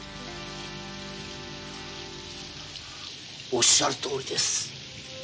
おっしゃるとおりです。